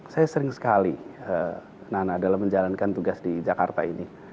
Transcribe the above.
saya sering sekali menjalankan tugas di jakarta ini